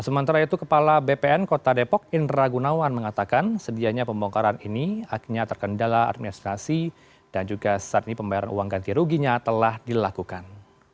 sementara itu kepala bpn kota depok indra gunawan mengatakan sedianya pembongkaran ini akhirnya terkendala administrasi dan juga saat ini pembayaran uang ganti ruginya telah dilakukan